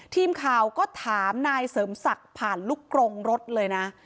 ทีมข่าวก็ถามนายเสริมศักดิ์ผ่านลูกกรงรถเลยนะ